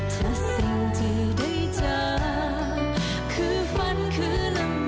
ถ้าสิ่งที่ได้เจอคือฝันคือลำ